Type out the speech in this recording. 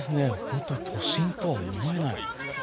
ほんとに都心とは思えない。